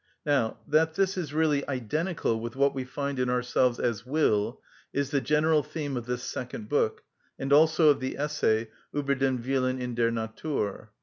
Now, that this is really identical with what we find in ourselves as will is the general theme of this second book, and also of the essay, "Ueber den Willen in der Natur."